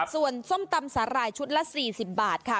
ส่วนส้มตำสาหร่ายชุดละ๔๐บาทค่ะ